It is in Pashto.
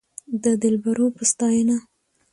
د دلبرو په ستاينه